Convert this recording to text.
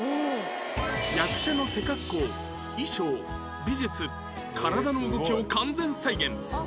役者の背格好衣装美術体の動きを完全再現